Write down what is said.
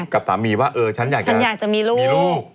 กับธรรมีว่าฉันอยากจะมีลูก